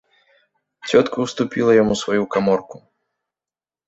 Цётка ўступіла яму сваю каморку.